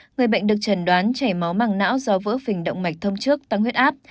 người bệnh được trần đoán chảy máu màng não do vỡ phình động mạch thông trước tăng huyết áp